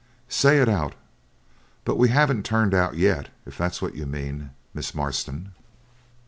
'Say it out; but we haven't turned out yet, if that's what you mean, Miss Marston.'